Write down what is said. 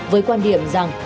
với quan điểm rằng